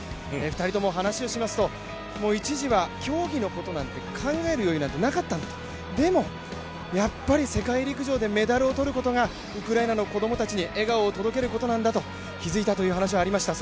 ２人とも話をしますと、一時は競技のことなんて考える余裕はなかったでも、やっぱり世界陸上でメダルを取ることがウクライナの子供たちに笑顔を届けることなんだと気づいたという話がありました。